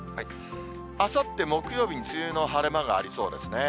あさって木曜日に梅雨の晴れ間がありそうですね。